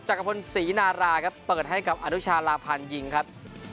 หลังจากสรีนาราครับเปิดให้กับอนุชาลาพานอยิงครับ